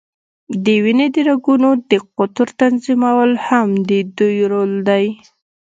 د وینې د رګونو د قطر تنظیمول هم د دوی رول دی.